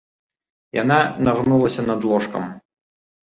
Яна нагнулася над ложкам.